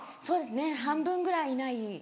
そうです年半分ぐらいいない。